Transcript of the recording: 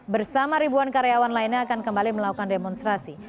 bersama ribuan karyawan lainnya akan kembali melakukan demonstrasi